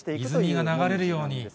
なん泉が流れるように。